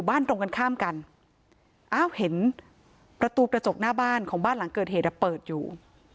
อ้าวเห็นประตูประจกหน้าบ้านของบ้านหลังเกิดเหตุเปิดอยู่